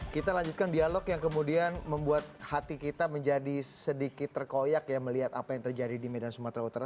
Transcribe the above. kita lanjutkan dialog yang kemudian membuat hati kita menjadi sedikit terkoyak ya melihat apa yang terjadi di medan sumatera utara